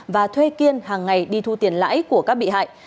và thuê kiên hàng ngày đi thu tiền lãi của các bị hại